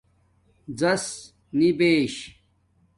زسنبش